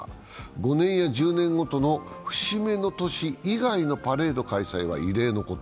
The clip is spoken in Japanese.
５年や１０年ごとの節目の年以外のパレード開催は異例のこと。